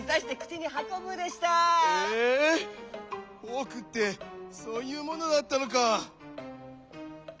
フォークってそういうものだったのか。